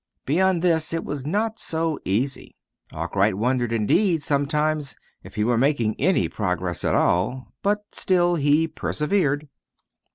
Beyond this it was not so easy. Arkwright wondered, indeed, sometimes, if he were making any progress at all. But still he persevered.